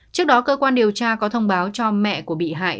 trước đó cơ quan điều tra có thông báo cho mẹ của bị hại